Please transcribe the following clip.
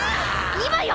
今よ！